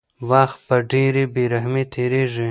وخت په ډېرې بې رحمۍ تېرېږي.